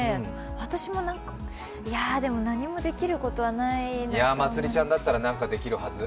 私も何か、いや、でも何もできることないないや、まつりちゃんだったら何かできるはず！